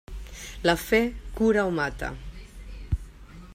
La fe cura o mata.